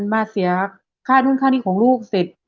มาเสียค่านู่นค่านี่ของลูกเสร็จ